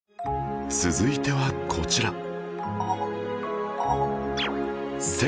続いてはこちら